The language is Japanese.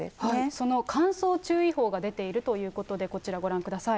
その乾燥注意報が出ているということで、こちらご覧ください。